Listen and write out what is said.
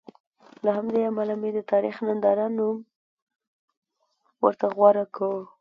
له همدې امله مې د تاریخ ننداره نوم ورته غوره کړ.